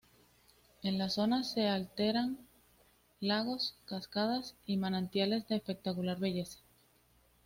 En la zona se alternan lagos, cascadas y manantiales de espectacular belleza.